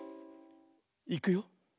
いくよ。